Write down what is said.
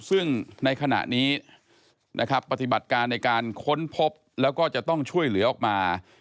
ซึ่งในขณะนี้นะครับปฏิบัติการในการค้นพบแล้วก็จะต้องช่วยเหลือออกมา